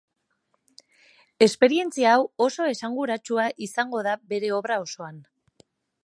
Esperientzia hau oso esanguratsua izango da bere obra osoan.